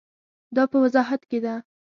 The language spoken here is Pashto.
دا په وضاحت ده.